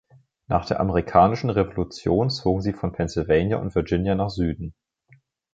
Nach der Amerikanischen Revolution zogen sie von Pennsylvania und Virginia nach Süden.